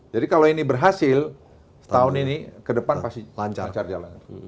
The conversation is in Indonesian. jadi kalau ini berhasil setahun ini ke depan pasti lancar jalan